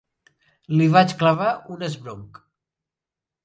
Li vaig clavar un esbronc.